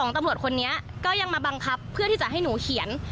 ตำรวจคนนี้ก็ยังมาบังคับเพื่อที่จะให้หนูเขียน